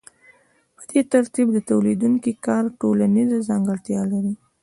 په دې ترتیب د تولیدونکي کار ټولنیزه ځانګړتیا لري